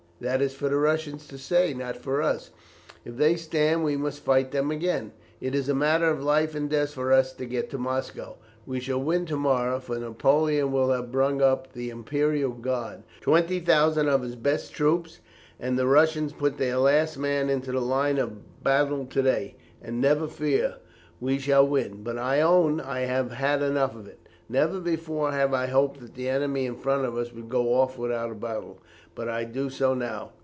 "That is for the Russians to say, not for us. If they stand we must fight them again. It is a matter of life and death for us to get to Moscow. We shall win to morrow, for Napoleon will have to bring up the Imperial Guard, 20,000 of his best troops, and the Russians put their last man into the line of battle to day, and, never fear, we shall win. But I own I have had enough of it. Never before have I hoped that the enemy in front of us would go off without a battle, but I do so now.